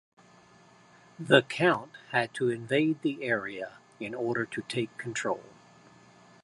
The count had to invade the area in order to take control.